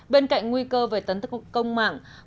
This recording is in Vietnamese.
bên cạnh nguy cơ về tấn công mạng